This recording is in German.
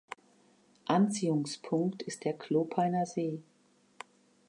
Anziehungspunkt ist der Klopeiner See.